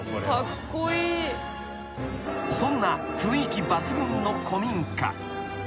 ［そんな雰囲気抜群の古民家］